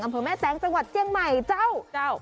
อำเภอแม่แตงจังหวัดเจียงใหม่เจ้าเจ้า